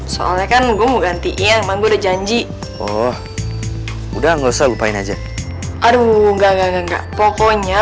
soalnya kan gua mau gantiin mah udah janji oh udah nggak usah lupain aja aduh nggak nggak pokoknya